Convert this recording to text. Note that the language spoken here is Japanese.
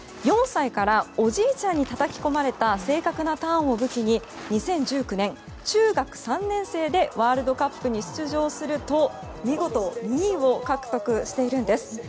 ４歳からおじいちゃんにたたき込まれた正確なターンを武器に２０１９年中学３年生でワールドカップに出場すると見事２位を獲得しているんです。